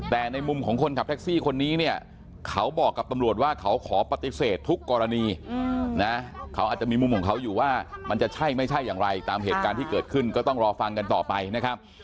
แต่ในมุมของคนขับแท็กซี่คนนี้เนี่ยเขาบอกกับตำรวจว่าเขาขอปฏิเสธทุกกรณีนะเขาอาจจะมีมุมของเขาอยู่ว่ามันจะใช่ไม่ใช่อย่างไรตามเหตุการณ์ที่เกิดขึ้นก็ต้องรอฟังกันต่อไปนะครับ